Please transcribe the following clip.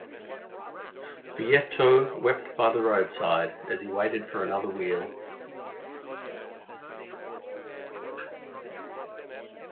Vietto wept by the roadside as he waited for another wheel.